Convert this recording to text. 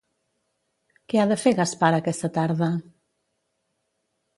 Què ha de fer Gaspar aquesta tarda?